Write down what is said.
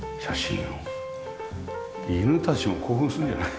犬たちも興奮するんじゃない？